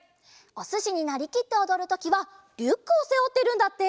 おすしになりきっておどるときはリュックをせおってるんだって！